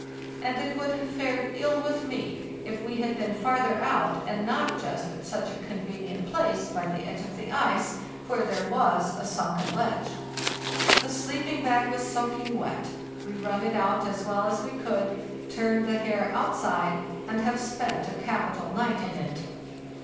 And it would have fared ill with me if we had been farther out, and not just at such a convenient place by the edge of the ice, where there was a sunken ledge. The sleeping bag was soaking wet; we wrung it out as well as we could, turned the hair outside, and have spent a capital night in it."